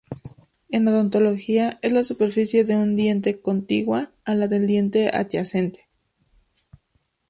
En odontología, es la superficie de un diente contigua a la del diente adyacente.